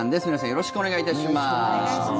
よろしくお願いします。